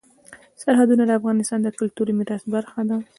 سرحدونه د افغانستان د کلتوري میراث برخه ده.